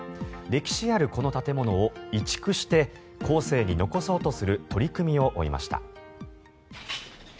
歴史あるこの建物を移築して後世に残そうとする取り組みを追いました。